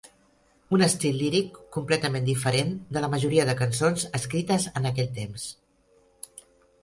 Un estil líric completament diferent de la majoria de cançons escrites en aquell temps.